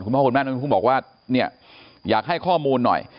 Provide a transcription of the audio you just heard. พ่อคุณแม่น้องชมพู่บอกว่าเนี่ยอยากให้ข้อมูลหน่อย